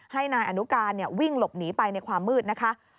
ให้นายอนุการวิ่งหลบหนีไปในความมืดนะคะ